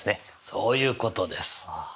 そういうことです。